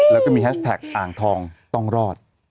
แล้วก็มีแฮชแท็กอ่างทองต้องรอด